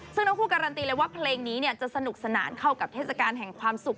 ซึ่งทั้งคู่การันตีเลยว่าเพลงนี้จะสนุกสนานเข้ากับเทศกาลแห่งความสุข